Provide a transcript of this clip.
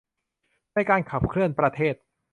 ในการขับเคลื่อนประเทศ